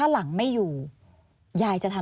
อันดับ๖๓๕จัดใช้วิจิตร